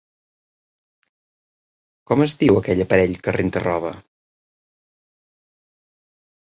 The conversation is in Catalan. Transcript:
Com es diu aquell aparell que renta roba?